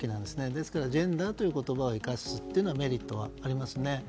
ですからジェンダーという言葉を生かすのはメリットがありますね。